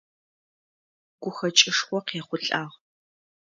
Гухэкӏышхо къехъулӏагъ.